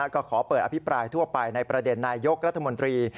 ก็ขอเปิดอภิปรายทั่วไปในประเด็นนายยกรัฐมนตรี